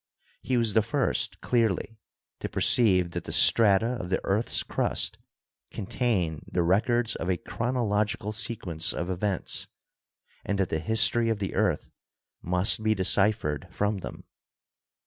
He was the first clearly to per ceive that the strata of the earth's crust contain the rec ords of a chronological sequence of events and that the history of the earth must be deciphered from them.